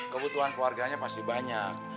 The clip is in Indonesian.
kebutuhan keluarganya pasti banyak